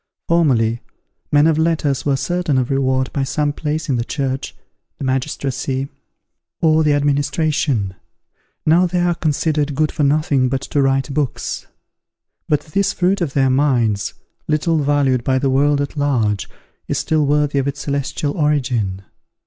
Formerly, men of letters were certain of reward by some place in the church, the magistracy, or the administration; now they are considered good for nothing but to write books. But this fruit of their minds, little valued by the world at large, is still worthy of its celestial origin.